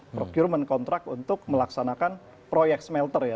procurement contract untuk melaksanakan proyek smelter ya